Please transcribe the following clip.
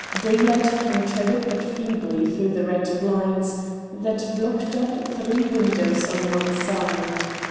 Daylight penetrated but feebly through the red blinds that blocked up three windows on one side.